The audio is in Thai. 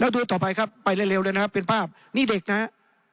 ดูต่อไปครับไปเร็วเลยนะครับเป็นภาพนี่เด็กนะครับ